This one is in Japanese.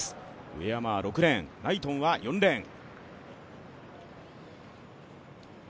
上山６レーンナイトンは４レーン。